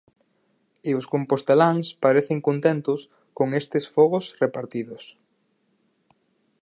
E os composteláns parecen contentos con estes fogos repartidos.